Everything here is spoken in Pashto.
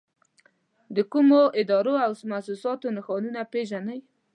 د کومو ادارو او مؤسساتو نښانونه پېژنئ؟